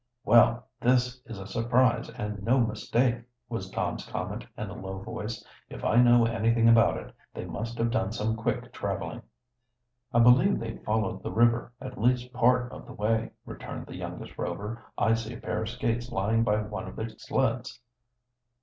"Well, this is a surprise and no mistake!" was Tom's comment, in a low voice. "If I know anything about it, they must have done some quick traveling." "I believe they followed the river, at least part of the way," returned the youngest Rover. "I see a pair of skates lying by one of the sleds."